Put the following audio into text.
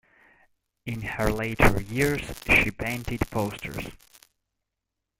In her later years, she painted posters.